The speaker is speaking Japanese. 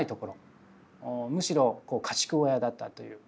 むしろこう家畜小屋だったという。